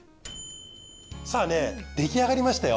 さぁ出来上がりましたよ。